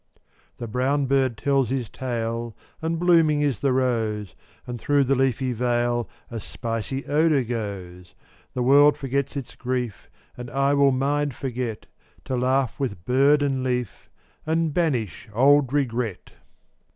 408 The brown bird tells his tale, And blooming is the rose, And through the leafy vale A spicy odor goes. The world forgets its grief, And I will mine forget, To laugh with bird and leaf And banish old Regret.